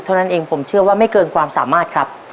เท่านั้นเองผมเชื่อว่าไม่เกินความสามารถครับ